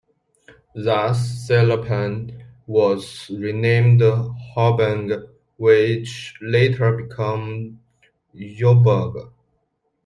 Thus, Celopan was renamed "Habongan" which later became "Jabonga".